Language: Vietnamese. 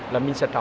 là mình sẽ trả ơn